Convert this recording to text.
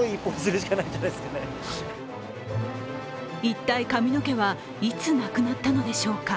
一体、髪の毛はいつなくなったのでしょうか。